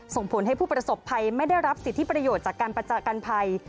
ส่งผลให้ผู้ประสบภัยไม่ได้รับสิทธิประโยชน์จากการประจากันภัย